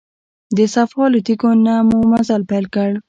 د صفا له تیږو نه مو مزل پیل کړ.